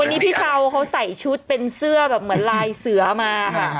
วันนี้พี่ชาวเขาใส่ชุดเป็นเสื้อเหมือนลายเสื้อมา